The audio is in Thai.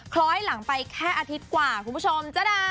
คล้อยหลังไปแค่อาทิตย์กว่าคุณผู้ชมจ๊ะ